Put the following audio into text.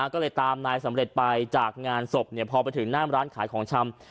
ก็เลยตามนายสำเร็จไปจากงานศพพอไปถึงหน้ามร้านขายของชำ